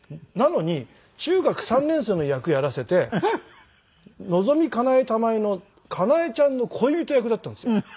なのに中学３年生の役やらせてのぞみかなえたまえのかなえちゃんの恋人役だったんですよ。